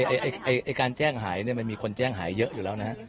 ไอ้การแจ้งหายมันมีคนแจ้งหายเยอะอยู่แล้วนะฮะ